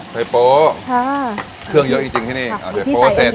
ไปโป๊ค่ะเครื่องเยอะจริงจริงที่นี่เอาใส่โป๊เสร็จ